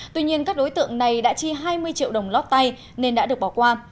tuy nhiên các đối tượng này đã chi hai mươi triệu đồng lót tay nên đã được bỏ qua